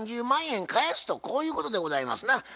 ３０万円返すとこういうことでございますな。